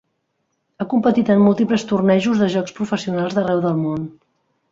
Ha competit en múltiples tornejos de jocs professionals d'arreu del món.